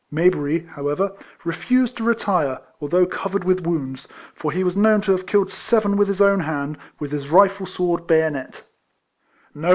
]\Iayberry, however, re fused to i etire, although covered with wounds; for lie was known to have killed seven with his own hand, with his rifle sword bayonet.